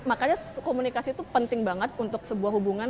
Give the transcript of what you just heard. makanya komunikasi itu penting banget untuk sebuah hubungan